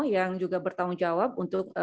yang juga bertanggung jawab untuk